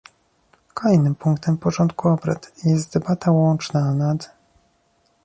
Kolejnym punktem porządku obrad jest debata łączna nad